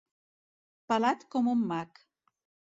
Pelat com un mac.